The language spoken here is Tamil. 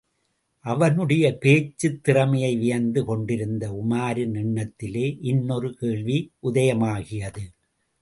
அவனுடைய பேச்சுத் திறமையை வியந்து கொண்டிருந்த உமாரின் எண்ணத்திலே, இன்னொரு கேள்வி உதயமாகியது.